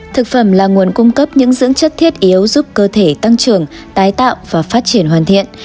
thực phẩm là nguồn cung cấp những dưỡng chất thiết yếu giúp cơ thể tăng trưởng tái tạo và phát triển hoàn thiện